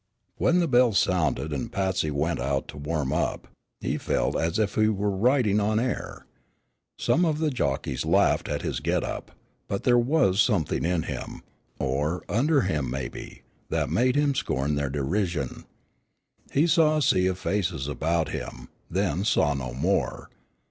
When the bell sounded and Patsy went out to warm up, he felt as if he were riding on air. Some of the jockeys laughed at his get up, but there was something in him or under him, maybe that made him scorn their derision. He saw a sea of faces about him, then saw no more.